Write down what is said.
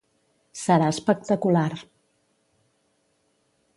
Serà espectacular.